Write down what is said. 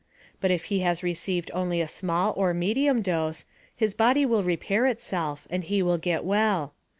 But if he has received only a small or medium dose, his body will repair itself and he will get well.